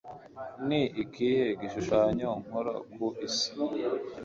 Ni ikihe gishushanyo nkora ku isi